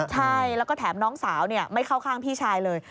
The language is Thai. ใช่แล้วก็แถมน้องสาวไม่เข้าข้างพี่ชายเลย